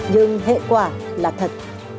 nhưng hệ quả là thật